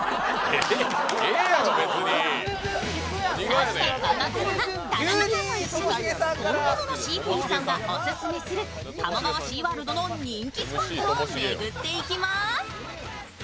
そしてここからは田中さんも一緒に本物の飼育員さんがオススメする、鴨川シーワールドの人気スポットを巡っていきます。